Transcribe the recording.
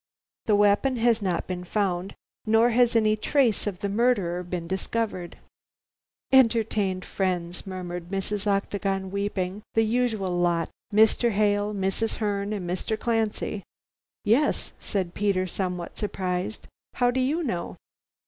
The weapon has not been found, nor has any trace of the murderer been discovered." "Entertained friends," muttered Mrs. Octagon weeping, "the usual lot. Mr. Hale, Mrs. Herne and Mr. Clancy " "Yes," said Peter, somewhat surprised, "how do you know?"